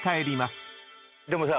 でもさ